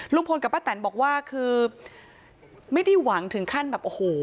ลุงพลกับป้าแตนบอกว่าคือไม่ได้หวังถึงขั้นแบบโอ้โห